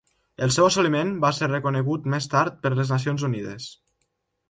El seu assoliment va ser reconegut més tard per les Nacions Unides.